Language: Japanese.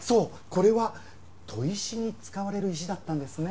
これは砥石に使われる石だったんですね。